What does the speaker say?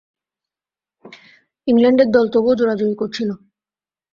ইংল্যান্ডের দল তবুও জোরাজুরি করছিল।